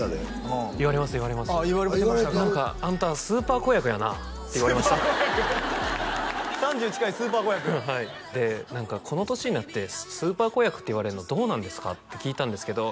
ああ言われましたか何かあんたスーパー子役やなって言われました３０近いスーパー子役はいで何かこの年になってスーパー子役って言われるのどうなんですか？って聞いたんですけど